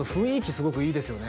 すごくいいですよね